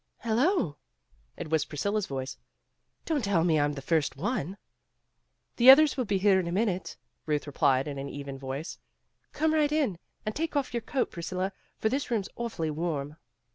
'' Hello !" It was Priscilla 's voice. '' Don 't tell me I'm the first one." ' l The others will be here in a minute, '' Ruth replied in an even voice. "Come right in and take off your coat, Priscilla, for this room's awfully warm."